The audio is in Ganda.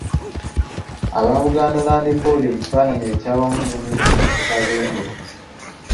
Aba Buganda Land Board mu kifaananyi ekyawamu ne Minisita Ssekabembe.